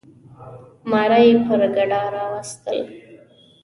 ماره یي پر ګډا راوستل.